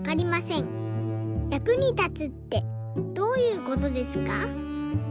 役に立つってどういうことですか？」。